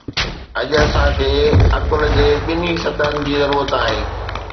اڄ اسان کي عقل جي ٻنهي سطحن جي ضرورت آهي